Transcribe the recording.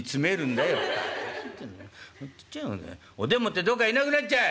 おでん持ってどっかいなくなっちゃえ！